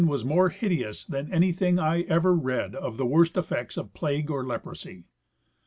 was more hideous than anything I ever read of the worst effects of plague or leprosy.